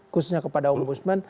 khususnya kepada ombudsman